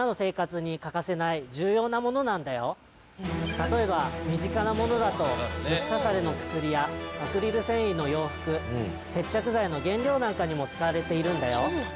例えば身近なものだと虫刺されの薬やアクリル繊維の洋服接着剤の原料なんかにも使われているんだよ。